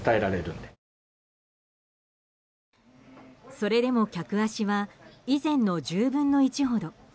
それでも客足は以前の１０分の１ほど。